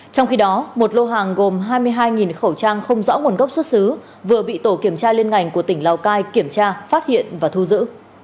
trong khi đó một lô hàng gồm hai mươi hai khẩu trang không rõ nguồn gốc xuất xứ vừa bị tổ kiểm tra liên ngành của tỉnh lào cai kiểm tra phát hiện và thu giữ